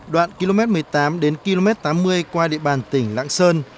đoạn km một mươi tám đến km tám mươi qua địa bàn tỉnh lạng sơn